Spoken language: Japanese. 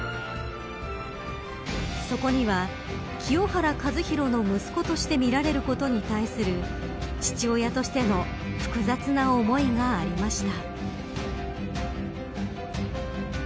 そこには清原和博の息子として見られることに対する父親としての複雑な思いがありました。